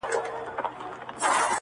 کشپ وژړل چي زه هم دلته مرمه -